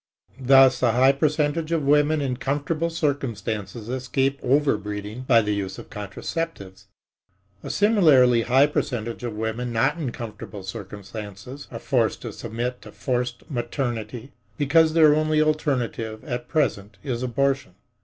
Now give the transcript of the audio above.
Thus a high percentage of women in comfortable circumstances escape overbreeding by the use of contraceptives. A similarly high percentage of women not in comfortable circumstances are forced to submit to forced maternity, because their only alternative at present is abortion.